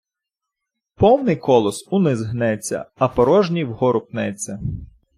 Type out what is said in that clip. Повний колос униз гнеться, а порожній вгору пнеться.